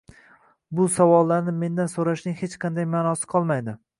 bu savollarni mendan so’rashning hech qanday ma’nosi qolmaydi